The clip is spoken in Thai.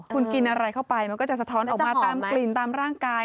คุณกินอะไรเข้าไปมันก็จะสะท้อนออกมาตามกลิ่นตามร่างกาย